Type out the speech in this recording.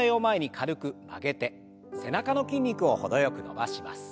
背中の筋肉をほどよく伸ばします。